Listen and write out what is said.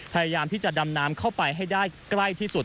พยายามที่จะดำน้ำเข้าไปให้ได้ใกล้ที่สุด